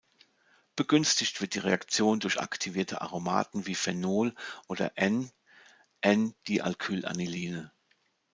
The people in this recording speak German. Begünstigt wird die Reaktion durch aktivierte Aromaten wie Phenol oder "N","N"-Dialkylaniline.